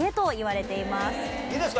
いいですか？